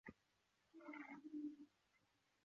出口为横琴北。